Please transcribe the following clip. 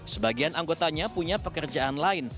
sebagian anggotanya punya pekerjaan lain